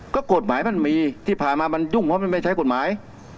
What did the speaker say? ก็กฎหมายมันมีที่ผ่านมามันยุ่งเพราะมันไม่ใช้กฎหมาย